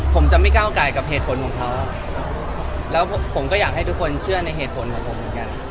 ผมจะไม่ก้าวไก่กับเหตุผลของเขาแล้วผมก็อยากให้ทุกคนเชื่อในเหตุผลของผมเหมือนกัน